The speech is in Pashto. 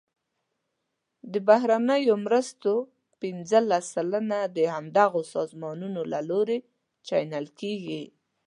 د بهرنیو مرستو پنځلس سلنه د همدغه سازمانونو له لوري چینل کیږي.